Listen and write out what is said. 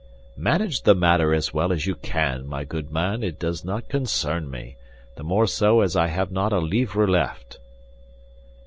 "Manage the matter as well as you can, my good man; it does not concern me, the more so as I have not a livre left."